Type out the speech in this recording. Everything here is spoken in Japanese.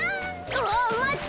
あまって！